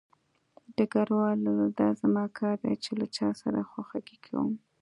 ډګروال وویل دا زما کار دی چې له چا سره خواخوږي کوم